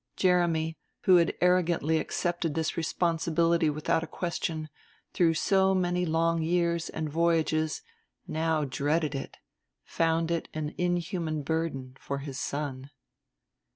Jeremy, who had arrogantly accepted this responsibility without a question, through so many long years and voyages, now dreaded it, found it an inhuman burden, for his son.